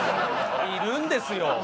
いるんですよ